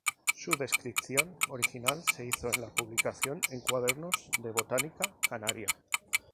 Su descripción original se hizo en la publicación en Cuadernos de Botánica Canaria.